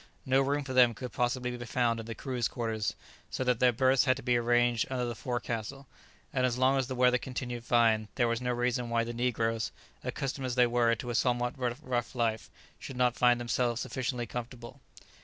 No room for them could possibly be found in the crew's quarters, so that their berths had to be arranged under the forecastle; and as long as the weather continued fine, there was no reason why the negroes, accustomed as they were to a somewhat rough life, should not find themselves sufficiently comfortable.